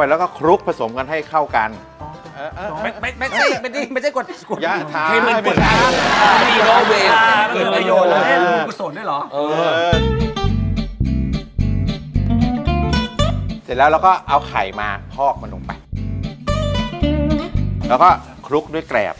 พอมันลงไปแล้วก็คลุกด้วยแกรบ